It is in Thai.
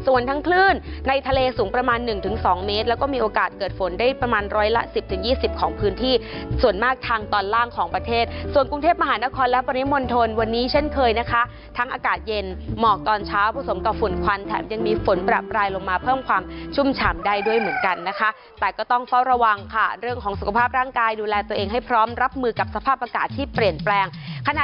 เวลา๑๐๒๐ของพื้นที่ส่วนมากทางตอนล่างของประเทศส่วนกรุงเทพมหานครและปริมนตรวันนี้เช่นเคยนะคะทั้งอากาศเย็นหมอกตอนเช้าผสมกับฝุ่นควันแถมยังมีฝนประปลายลงมาเพิ่มความชุ่มฉ่ำได้ด้วยเหมือนกันนะคะแต่ก็ต้องเฝ้าระวังค่ะเรื่องของสุขภาพร่างกายดูแลตัวเองให้พร้อมรับมือกับสภาพอากา